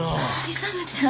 勇ちゃん。